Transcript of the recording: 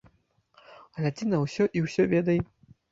Глядзі на ўсё і ўсё ведай.